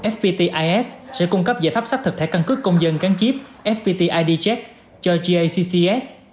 fptis sẽ cung cấp giải pháp xác thực thẻ căn cứ công dân gắn chip fpt id check cho caccs